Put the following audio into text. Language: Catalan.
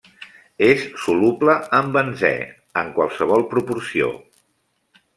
És soluble en benzè en qualsevol proporció.